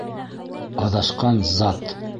Аҙашҡан зат.